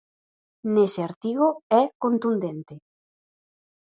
Nese artigo é contundente.